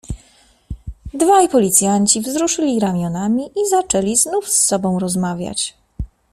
"Dwaj policjanci wzruszyli ramionami i zaczęli znów z sobą rozmawiać."